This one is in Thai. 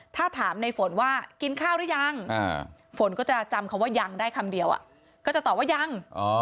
ถ้าถามในฝนว่ากินข้าวหรือยังฝนก็จะจำคำว่ายังได้คำเดียวก็จะตอบว่ายัง